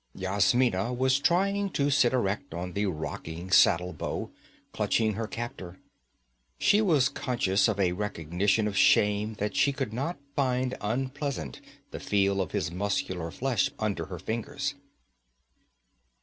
Yasmina was trying to sit erect on the rocking saddle bow, clutching her captor. She was conscious of a recognition of shame that she should not find unpleasant the feel of his muscular flesh under her fingers.